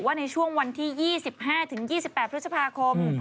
ว่าในช่วงวันที่๒๕ถึง๒๘พฤษภาคม